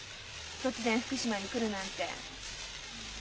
突然福島に来るなんて。